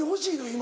今。